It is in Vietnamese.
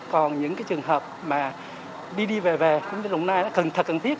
còn những trường hợp mà đi đi về về đồng lao động là thật cần thiết